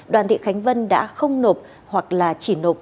đoàn thị khánh vân đã không nộp hoặc là chỉ nộp